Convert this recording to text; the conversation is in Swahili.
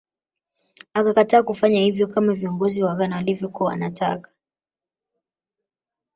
Akakataa kufanya hivyo kama viongozi wa Ghana walivyokuwa wanataka